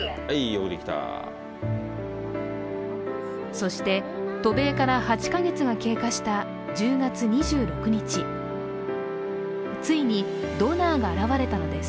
そして渡米から８か月が経過した１０月２６日ついにドナーが現れたのです。